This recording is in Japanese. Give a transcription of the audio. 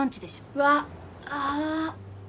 うわっああ